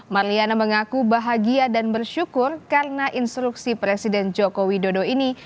marliana mengaku bahagia dan bersyukur karena instruksi presiden joko widodo ini